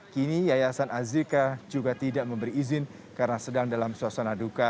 kini yayasan azika juga tidak memberi izin karena sedang dalam suasana duka